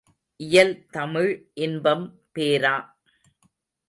இயல் தமிழ் இன்பம் பேரா.